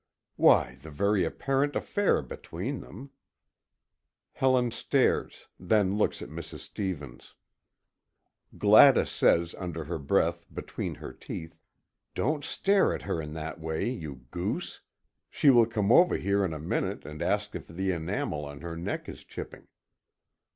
"Why, the very apparent affaire between them." Helen stares then looks at Mrs. Stevens. Gladys says under her breath, between her teeth: "Don't stare at her in that way, you goose. She will come over here in a minute, and ask if the enamel on her neck is chipping."